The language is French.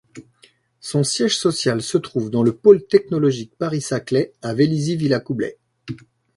Son siège social se trouve dans le pôle technologique Paris-Saclay, à Vélizy-Villacoublay.